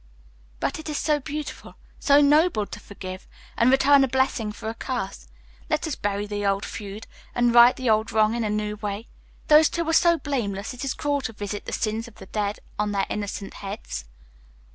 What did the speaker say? "But it is so beautiful, so noble to forgive, and return a blessing for a curse. Let us bury the old feud, and right the old wrong in a new way. Those two are so blameless, it is cruel to visit the sins of the dead on their innocent heads.